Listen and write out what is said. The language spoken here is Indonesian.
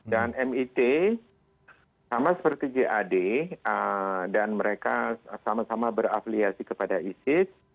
dan mit sama seperti gad dan mereka sama sama berafiliasi kepada isis